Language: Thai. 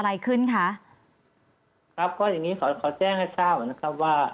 ครับก็อย่างนี้ขอแจ้งให้ทราบนะครับว่า